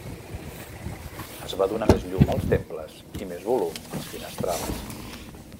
Es va donar més llum als temples i més volum als finestrals.